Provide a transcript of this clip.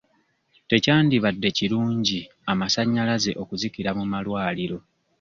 Tekyandibadde kirungi amasannyalaze okuzikira mu malwaliro.